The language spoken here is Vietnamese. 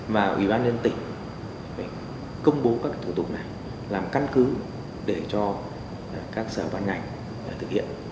mà ủy ban nhân tỉnh phải công bố các thủ tục này làm căn cứ để cho các sở ban ngành thực hiện